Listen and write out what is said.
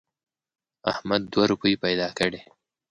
احمد دوه روپۍ پیدا کړې.